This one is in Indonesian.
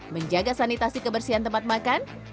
menjaga sanitasi kebersihan tempat makan